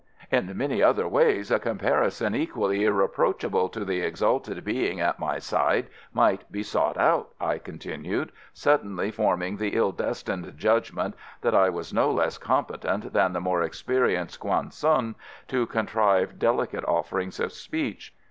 "In many other ways a comparison equally irreproachable to the exalted being at my side might be sought out," I continued, suddenly forming the ill destined judgment that I was no less competent than the more experienced Quang Tsun to contrive delicate offerings of speech.